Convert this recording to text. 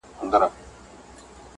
ژمن او متعهد مدیر ؤ